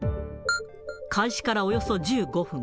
開始からおよそ１５分。